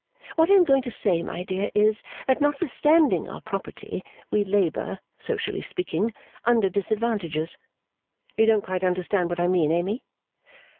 What I am going to say, my dear, is, that notwithstanding our property, we labour, socially speaking, under disadvantages. You don't quite understand what I mean, Amy?